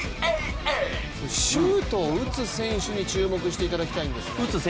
シュートを打つ選手に注目してほしいんですね。